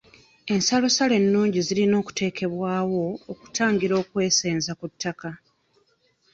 Ensalosalo ennungi zirina okuteekebwawo okutangira okwesenza ku ttaka.